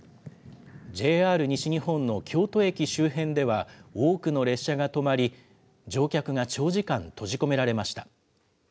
ＪＲ西日本の京都駅周辺では、多くの列車が止まり、乗客が長時間閉じ込められました。